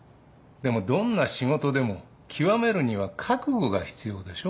でもどんな仕事でも極めるには覚悟が必要でしょ？